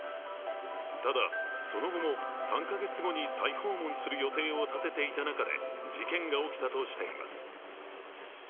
ただ、その後も３か月後に再訪問する予定を立てていた中で事件が起きたとしています。